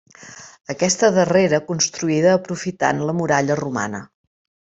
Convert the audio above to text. Aquesta darrera construïda aprofitant la muralla romana.